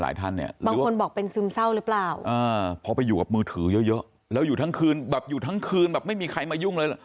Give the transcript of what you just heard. อยู่ทั้งคืนแบบไม่มีใครมายุ่งเลย